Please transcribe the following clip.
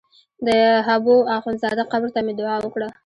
د حبو اخند زاده قبر ته مې دعا وکړه.